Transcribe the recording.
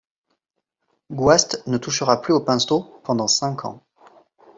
Gouast ne touchera plus au pinceau pendant cinq ans.